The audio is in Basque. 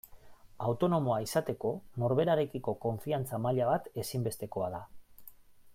Autonomoa izateko norberarekiko konfiantza maila bat ezinbestekoa da.